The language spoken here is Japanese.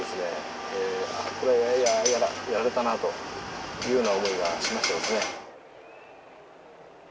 これはやられたなというような思いがしましたですね。